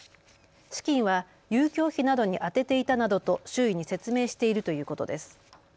資金は遊興費などに充てていたなどと周囲に説明しているということです。